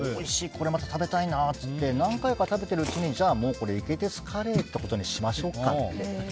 これまた食べたいなって言って何回か食べているうちにじゃあ、もうイケテツカレーってことにしましょうかと。